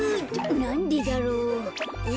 なんでだろう。